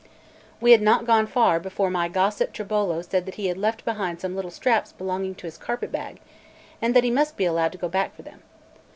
We had not gone far before my gossip Tribolo said that he had left behind some little straps belonging to his carpet bag, and that he must be allowed to go back for them.